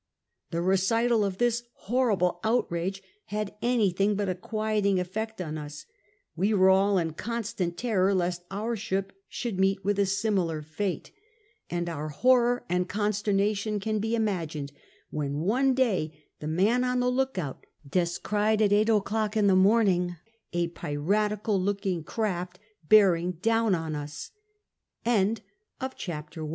The recital of this horrible outrage had anything but a quieting effect on US; we were all in constant terror lest our ship should meet with a similar fate, SKETCHES OF TRAVEL and our horror and consternation can be imagined when one day the man on the lookout descried at eight o'clock in the morning a piratical looking craft b